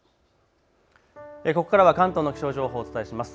ここからは関東の気象情報をお伝えします。